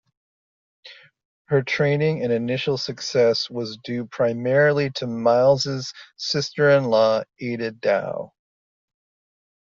Her training and initial success was due primarily to Miles's sister-in-law Ada Dow.